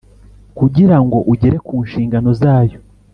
kugira ngo ugere ku nshingano zayo